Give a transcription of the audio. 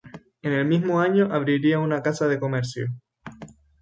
En el mismo año abriría una casa de comercio.